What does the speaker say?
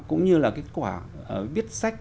cũng như là kết quả viết sách